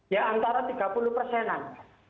ya antara tiga puluh persenan